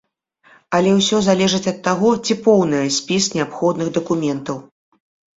Але ўсё залежыць ад таго, ці поўнае спіс неабходных дакументаў.